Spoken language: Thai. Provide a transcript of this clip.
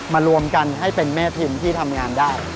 มารวมกันให้เป็นเมภิมที่ทำงานได้